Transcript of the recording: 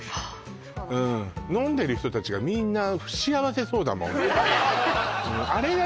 そうっ飲んでる人たちがみんな不幸せそうだもん